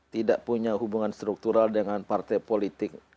tidak punya hubungan struktural dengan partai politik